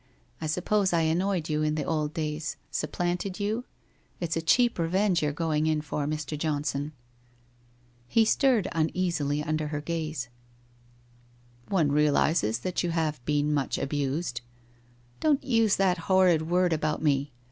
I suppose I annoyed you in the old days — supplanted you? It's a cheap revenge you're go ing in for, Mr. Johnson.' He stirred uneasily under her glance. * One realizes that you have been much abused/ ' Don't use that horrid word about me